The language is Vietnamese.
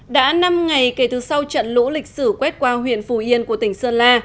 đã năm ngày kể từ sau trận lũ lịch sử quét qua huyện phù yên của tỉnh sơn la